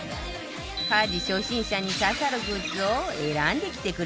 家事初心者に刺さるグッズを選んできてくれたみたいよ